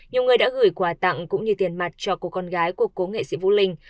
nhiều người đã gửi quà tặng cũng như tiền mặt cho cô con gái của cố nghệ sĩ vũ linh